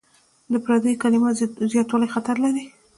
د پردیو کلمو زیاتوالی خطر لري.